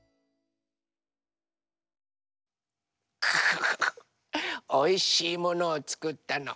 フフフおいしいものをつくったの。